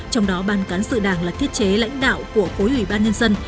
trong đó ban cán sự đảng là thiết chế lãnh đạo của khối ủy ban nhân dân